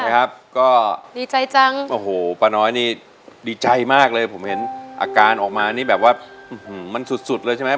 ครับก็ดีใจจังโอ้โหป้าน้อยนี่ดีใจมากเลยผมเห็นอาการออกมานี่แบบว่ามันสุดสุดเลยใช่ไหม